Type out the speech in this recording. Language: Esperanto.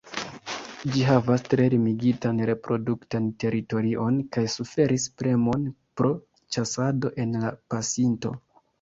Ĝi havas tre limigitan reproduktan teritorion kaj suferis premon pro ĉasado en la pasinto.